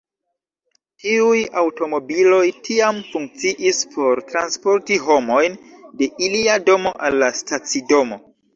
Tiuj aŭtomobiloj tiam funkciis por transporti homojn de ilia domo al la stacidomo.